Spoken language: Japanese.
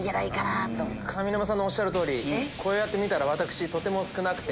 上沼さんのおっしゃる通りこうやって見たら私少なくて。